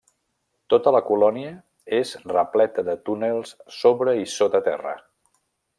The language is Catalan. Tota la colònia és repleta de túnels sobre i sota terra.